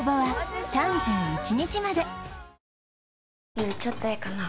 優ちょっとええかな？